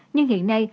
nhưng hiện nay